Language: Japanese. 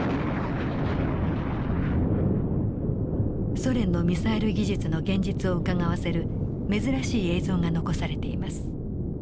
ソ連のミサイル技術の現実をうかがわせる珍しい映像が残されています。